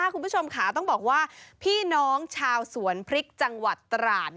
คุณผู้ชมค่ะต้องบอกว่าพี่น้องชาวสวนพริกจังหวัดตราด